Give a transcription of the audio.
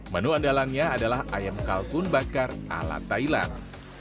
menu andalannya adalah ayam kalkun bakar ala thailand